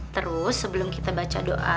terus sebelum kita baca doa